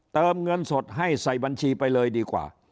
เงินสดให้ใส่บัญชีไปเลยดีกว่า